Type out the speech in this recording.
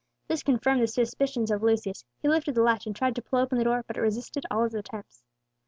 This confirmed the suspicions of Lucius: he lifted the latch, and tried to pull open the door, but it resisted all his attempts.